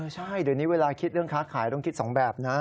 ใช่เดี๋ยวนี้เวลาคิดเรื่องค้าขายต้องคิดสองแบบนะ